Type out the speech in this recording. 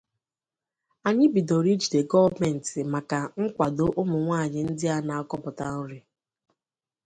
anyị bidoro ijide gọọmenti maka ị kwado ụmụ nwaanyị ndị a na-akọpụta nri."